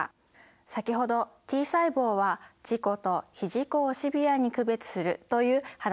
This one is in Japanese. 先ほど「Ｔ細胞は自己と非自己をシビアに区別する」という話がありましたね。